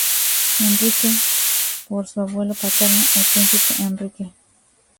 Enrique por su abuelo paterno, el príncipe Enrique.